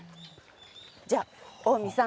じゃ近江さん。